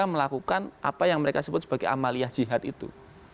mereka melakukan apa yang mereka sebut sebagai amaliyah jihad itu